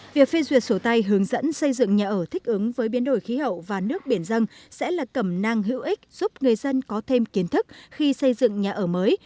việc phê duyệt sổ tay hướng dẫn xây dựng nhà ở thích ứng với biến đổi khí hậu và nước biển dân sẽ là cầm năng hữu ích giúp người dân có thêm kiến thức khi xây dựng nhà ở mới